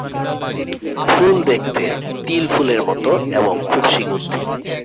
ফুল দেখতে তিল ফুলের মতো এবং খুব সুগন্ধি।